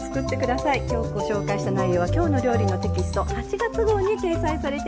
今日ご紹介した内容は「きょうの料理」のテキスト８月号に掲載されています。